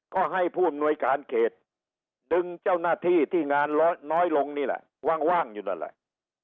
ก็ให้ผู้อำนวยการเขตดึงเจ้าหน้าที่ที่งานน้อยลงนี่แหละว่างอยู่นั่นแหละ